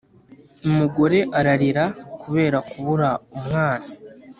Umugore aralira kubera kubura umwana